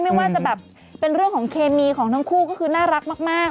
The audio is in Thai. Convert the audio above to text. ไม่ว่าจะแบบเป็นเรื่องของเคมีของทั้งคู่ก็คือน่ารักมาก